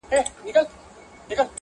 ستا غمونه ستا دردونه زما بدن خوري .